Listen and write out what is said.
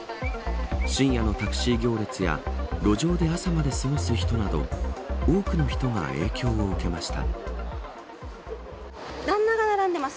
深夜のタクシー行列や路上で朝まで過ごす人など多くの人が影響を受けました。